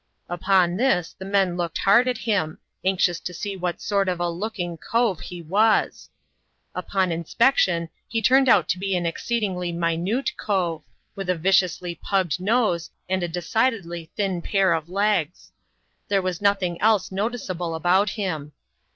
Upnon this, the men looked hard at him, anxious to see what sort of a looking ''cove" he was. Upon inspection, he turned out to be an exceedingly minute " cove," with a viciously pugged nose, and a decidedly thin pair of legs. There was nothing else noticeable about him.